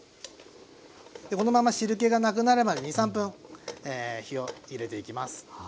このまま汁けがなくなるまで２３分火をいれていきます。